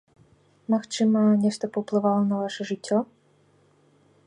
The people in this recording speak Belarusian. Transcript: Магчыма, нешта паўплывала на ваша жыццё?